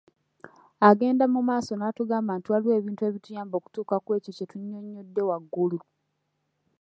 Agenda mu maaso n'atugamba nti waliwo ebintu ebituyamba okutuuka ku ekyo kye tunnyonnyodde waggulu.